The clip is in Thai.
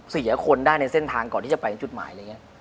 เสียคนได้ในเส้นทางก่อนที่จะไปจุดหมาย